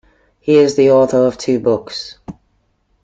He is the author of two books.